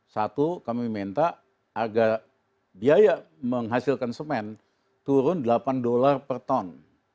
satu kami minta harga biaya menghasilkan semen turun delapan dolar per ton